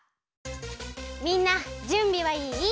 みんなじゅんびはいい？